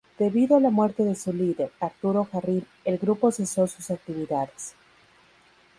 Debido a la muerte de su líder, Arturo Jarrín, el grupo cesó sus actividades.